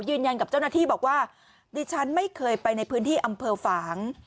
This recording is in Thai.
ยืนยันกับเจ้าหน้าที่บอกว่าดิฉันไม่เคยไปในพื้นที่อำเภอฝาง